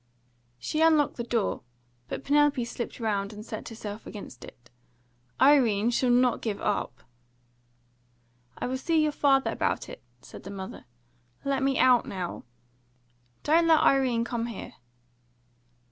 She unlocked the door, but Penelope slipped round and set herself against it. "Irene shall not give up!" "I will see your father about it," said the mother. "Let me out now " "Don't let Irene come here!"